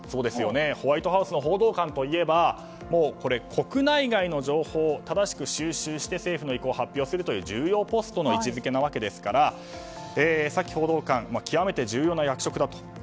ホワイトハウスの報道官といえば国内外の情報を正しく収集して政府の意向を発表するという重要ポストの位置づけなわけですからサキ報道官極めて重要な役職だと。